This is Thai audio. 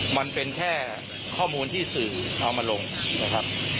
มันเป็นแค่ข้อมูลที่สื่อเอามาลงนะครับ